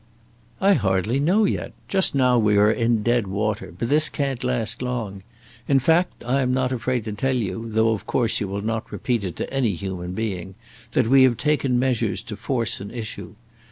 "I hardly know yet. Just now we are in dead water; but this can't last long. In fact, I am not afraid to tell you, though of course you will not repeat it to any human being, that we have taken measures to force an issue.